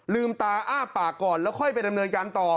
ลืมตาอ้าปากก่อนแล้วค่อยไปดำเนินการต่อ